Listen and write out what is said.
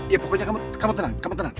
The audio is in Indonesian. ya pokoknya kamu tenang kamu tenang